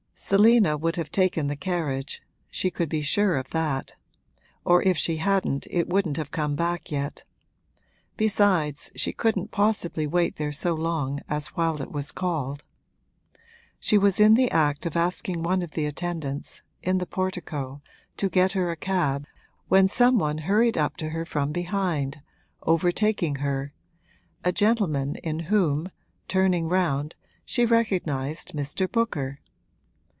Selina would have taken the carriage she could be sure of that; or if she hadn't it wouldn't have come back yet; besides, she couldn't possibly wait there so long as while it was called. She was in the act of asking one of the attendants, in the portico, to get her a cab, when some one hurried up to her from behind, overtaking her a gentleman in whom, turning round, she recognised Mr. Booker.